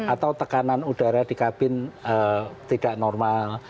atau tekanan udara di kabin tidak normal